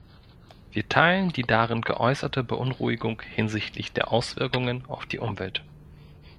Wir teilen die darin geäußerte Beunruhigung hinsichtlich der Auswirkungen auf die Umwelt.